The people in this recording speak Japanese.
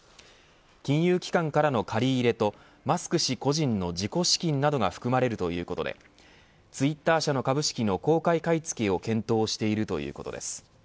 金融機関からの借り入れとマスク氏個人の自己資金などが含まれるということでツイッター社の株式の公開買い付けを検討しているということです。